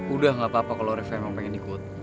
udah ga apa apa kalo reva emang pengen ikut